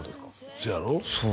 せやろ？